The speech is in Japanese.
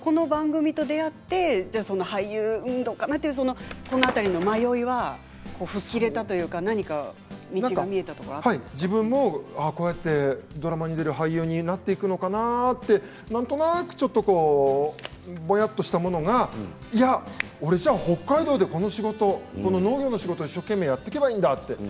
この番組と出会って俳優どうかなと迷いが吹っ切れたというか自分もこうやってドラマに出る俳優になっていくのかなってなんとなく、ちょっとぼやっとしたものがいや、俺、じゃあ北海道でこの仕事農業の仕事やっていけばいいんだって。